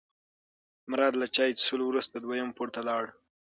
مراد له چای څښلو وروسته دویم پوړ ته لاړ.